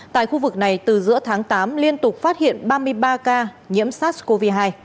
tại khu vực này từ giữa tháng tám liên tục phát hiện ba mươi ba ca nhiễm sars cov hai